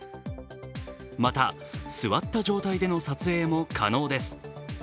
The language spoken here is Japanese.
また、座った状態での撮影も可能です。